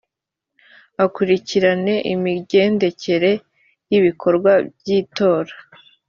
akurikirane imigendekere y ibikorwa by itora